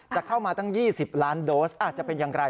จะเข้ามาตั้ง๒๐ล้านโดสอาจจะเป็นอย่างไร